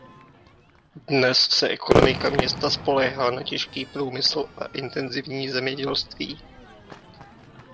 Dnes se ekonomika města spoléhá na těžký průmysl a intenzivní zemědělství.